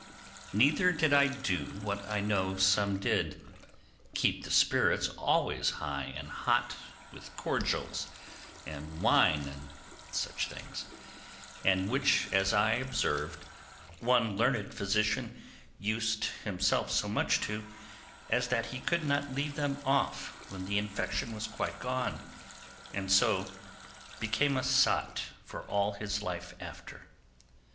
Neither did I do what I know some did: keep the spirits always high and hot with cordials and wine and such things; and which, as I observed, one learned physician used himself so much to as that he could not leave them off when the infection was quite gone, and so became a sot for all his life after.